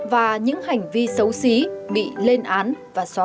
và những hành vi xấu xí bị lên án và xóa bỏ